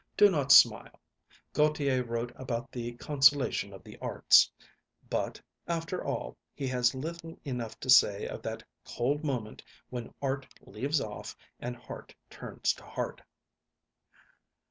Do not smile. Gautier wrote about the consolation of the arts; but, after all, he has little enough to say of that cold moment when art leaves off and heart turns to heart.